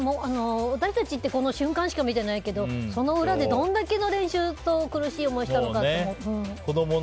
私たちってこの瞬間しか見てないけどその裏でどんだけの練習と苦しい思いしたのかと。